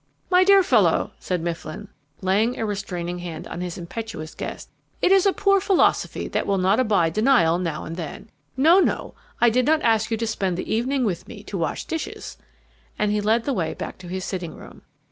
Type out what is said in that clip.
"My dear fellow," said Mifflin, laying a restraining hand on his impetuous guest, "it is a poor philosophy that will not abide denial now and then. No, no I did not ask you to spend the evening with me to wash dishes." And he led the way back to his sitting room.